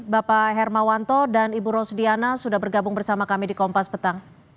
bapak hermawanto dan ibu rosdiana sudah bergabung bersama kami di kompas petang